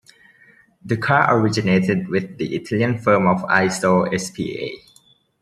The car originated with the Italian firm of Iso SpA.